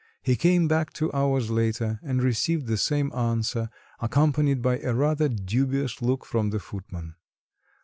He came back two hours later and received the same answer, accompanied by a rather dubious look from the footman.